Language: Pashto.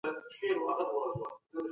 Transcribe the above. خلګ باید د قانون اطاعت وکړي.